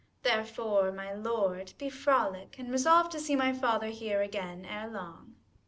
Therefore, my lord, be frolic, and resolve To see my father here again ere long.